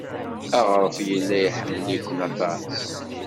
Aɣref yella iḥemmel-iken aṭas.